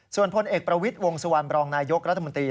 ส่วนพลเอกประวิทย์วงสุวรรณบรองนายกรัฐมนตรี